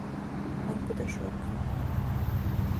Он подошел к ним.